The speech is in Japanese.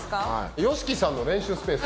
ＹＯＳＨＩＫＩさんの練習スペース。